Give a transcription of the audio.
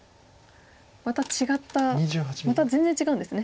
また違ったまた全然違うんですね。